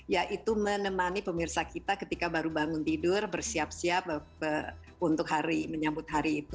yaitu menemani pemirsa kita ketika baru bangun tidur bersiap siap untuk hari menyambut hari itu